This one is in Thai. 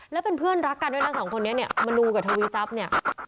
แล้วเป็นเพื่อนรักกันด้วยนะสองคนนี้เนี่ยมนูกับทวีทรัพย์เนี่ย